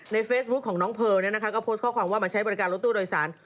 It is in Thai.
เฟซบุ๊คของน้องเพอร์ก็โพสต์ข้อความว่ามาใช้บริการรถตู้โดยสาร